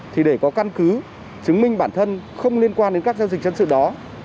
thì để có căn cứ chứng minh bản thân không liên quan đến các giao dịch dân sự đó